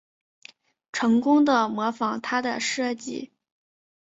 成功的模仿他的设计